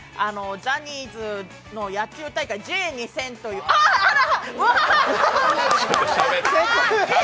ジャニーズの野球大会、Ｊ２０００というあ！